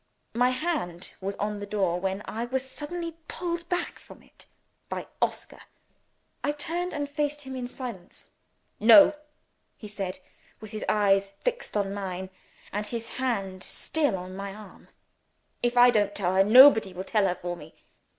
My hand was on the door, when I was suddenly pulled back from it by Oscar. I turned, and faced him in silence. "No!" he said, with his eyes fixed on mine, and his hand still on my arm. "If I don't tell her, nobody shall tell her for me."